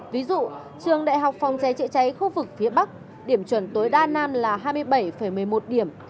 ví dụ trường đại học phòng cháy chữa cháy khu vực phía bắc điểm chuẩn tối đa nam là hai mươi bảy một mươi một điểm